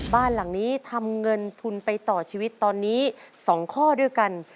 บ้านหลังนี้ทำเงินทุนไปต่อชีวิตตอนนี้๒ข้อด้วยกัน